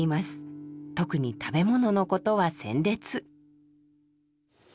特に食べ物のことは鮮烈。